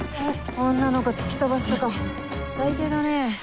女の子突き飛ばすとか最低だね。